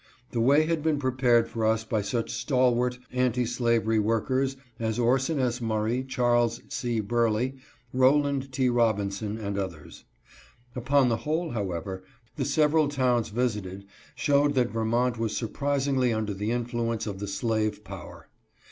The way had been prepared for us by such stalwart anti slavery workers as Orson S. Murray, Charles C. Burleigh, Rowland T. Robinson, and others. Upon the whole, however, the several towns visited showed that Vermont was surprisingly under the influence of the slave power.